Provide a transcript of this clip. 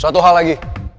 satu hal lagi